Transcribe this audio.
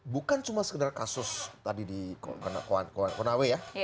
bukan cuma sekedar kasus tadi di konawe ya